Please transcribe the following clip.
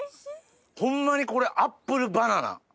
ホンマにこれアップルバナナ。